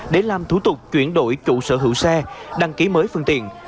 để làm thủ tục chuyển đổi chủ sở hữu xe đăng ký mới phương tiện